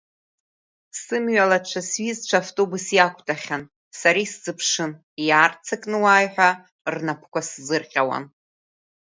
Сымҩалацәа-сҩызцәа автобус иақәтәахьан, сара исзыԥшын, иаарццакны уааи ҳәа рнапқәа сзырҟьауан.